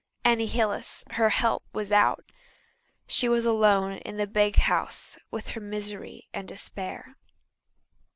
Annie Hillis, her "help," was out. She was alone in the big house with her misery and despair.